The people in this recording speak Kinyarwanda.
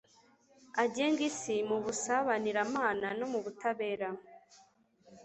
agenge isi mu busabaniramana no mu butabera